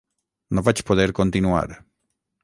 No vaig poder continuar.